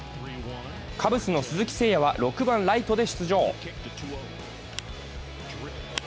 カブスの鈴木誠也は６番・ライトで出場。